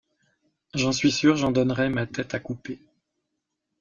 J'en suis sûr, j'en donnerais ma tête à couper.